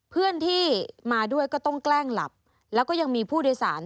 เพื่อนที่มาด้วยก็ต้องแกล้งหลับแล้วก็ยังมีผู้โดยสาร